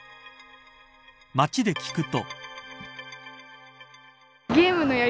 街で聞くと。